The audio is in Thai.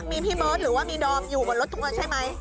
มีพี่เบิร์ดหรือว่ามีดอมอยู่กับรถจุกมันใช่ไหม